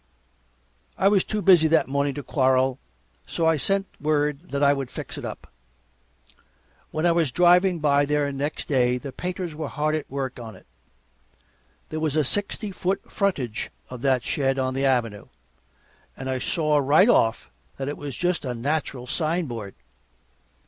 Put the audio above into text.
I was too busy that morning to quarrel, so I sent word that I would fix it up; and when I was driving by there next day the painters were hard at work on it. There was a sixty foot frontage of that shed on the Avenue, and I saw right off that it was just a natural signboard.